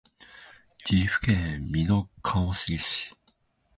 岐阜県美濃加茂市